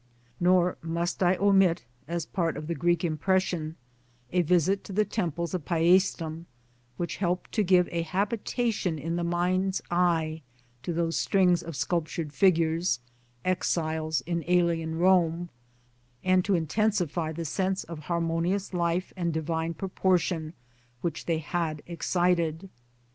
Nor must I omit, as part of the Greek impression, a visit to the Temples of Passtum which helped to give a habitation in the mind's eye to those strings of sculptured figures, exiles in alien Rome, and to intensify the sense of harmonious life and divine proportion which they had excited.